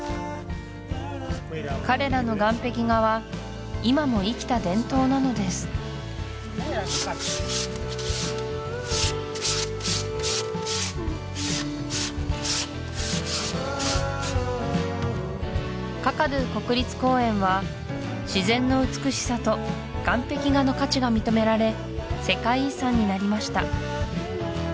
彼らの岩壁画は今も生きた伝統なのですカカドゥ国立公園は自然の美しさと岩壁画の価値が認められ世界遺産になりました